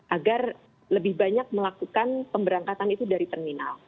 agar lebih banyak melakukan pemberangkatan itu dari terminal